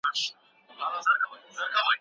ما چي هلمند ته ترانې لیکلې